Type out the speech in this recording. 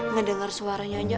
ngedenger suaranya aja